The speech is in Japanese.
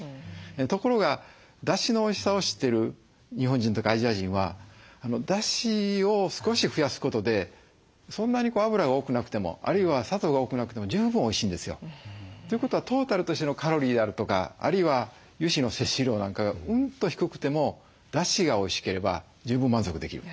ところがだしのおいしさを知ってる日本人とかアジア人はだしを少し増やすことでそんなに脂が多くなくてもあるいは砂糖が多くなくても十分おいしいんですよ。ということはトータルとしてのカロリーであるとかあるいは油脂の摂取量なんかがうんと低くてもだしがおいしければ十分満足できる。